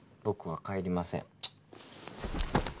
僕は帰りません。